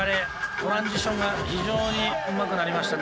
トランジションが非常にうまくなりましたね